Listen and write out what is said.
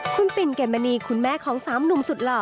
คุณปิ่นเกมมณีคุณแม่ของสามหนุ่มสุดหล่อ